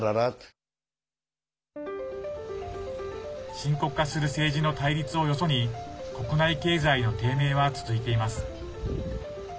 深刻化する政治の対立をよそに国内経済の低迷は続いています。